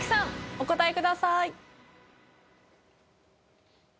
お答えください。